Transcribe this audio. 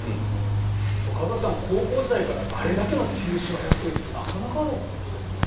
川崎さん、高校時代からあれだけの球種を分けられるってなかなかのことですよね。